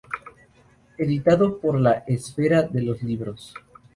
Editado por La Esfera de los Libros.